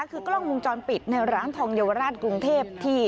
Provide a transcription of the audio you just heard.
คือกล้องวงจรปิดในร้านทองเยาวราชกรุงเทพที่